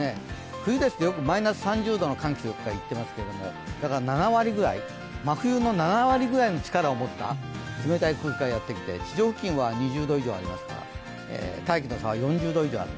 冬ですとよくマイナス３０度の寒気とか言っていますけれども７割ぐらい、真冬の７割ぐらいの冷たい空気を持った低気圧がやってきて、地上付近は２０度以上ありますから、大気の差は４０度以上になる。